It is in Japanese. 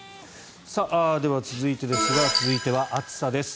では、続いてですが続いては暑さです。